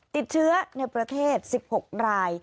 ติดเชื้อในประเทศ๑๖ราย